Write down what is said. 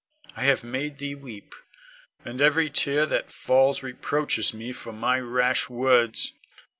I have made thee weep, and every tear that falls reproaches me for my rash words.